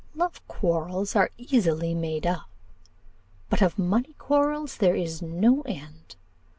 Love quarrels are easily made up, but of money quarrels there is no end.